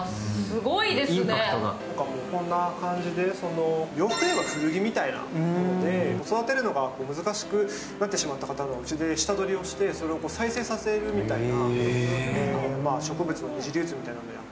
こんな感じで、洋服で言えば古着みたいなもので、育てるのが難しくなってきてしまった方の下取りしてそれを再生させるみたいな。